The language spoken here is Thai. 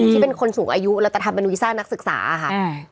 ที่เป็นคนสูงอายุเราจะทำเป็นวีซ่านักศึกษาค่ะ